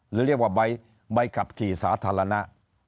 หรือเรียกว่าใบขับขี่สาธารณะ